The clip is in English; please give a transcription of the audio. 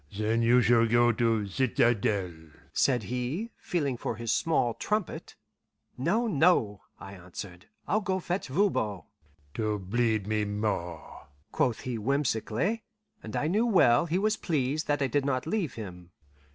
"Then you shall go to citadel," said he, feeling for his small trumpet. "No, no," I answered; "I'll go fetch Voban." "To bleed me more!" quoth he whimsically; and I knew well he was pleased that I did not leave him.